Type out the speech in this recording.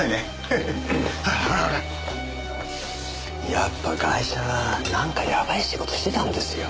やっぱガイシャはなんかやばい仕事してたんですよ。